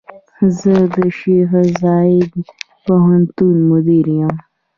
زۀ د شيخ زايد پوهنتون مدير يم.